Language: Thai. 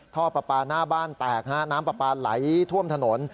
ท่อปลาปลาหน้าบ้านแตกฮะน้ำปลาปลาไหลท่วมถนน